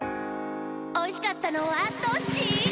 おいしかったのはどっち？